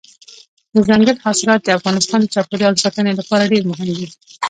دځنګل حاصلات د افغانستان د چاپیریال ساتنې لپاره ډېر مهم دي.